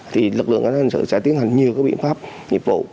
thì lực lượng cá nhân sự sẽ tiến hành nhiều các biện pháp nhiệm vụ